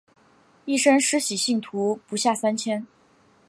一生施洗信徒不下三千。